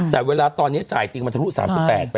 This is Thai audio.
แต่เวลาตอนนี้จ่ายจริงมันทุก๓๘ไปแล้วไง